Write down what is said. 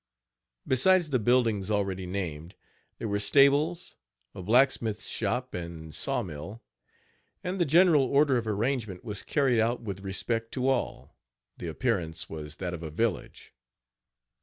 Besides the buildings already named, there were stables, a blacksmith shop and sawmill; and the general order of arrangement was carried out with respect to all the appearance was that of a village.